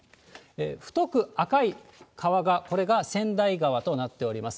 太く赤い川が、これが川内川となっております。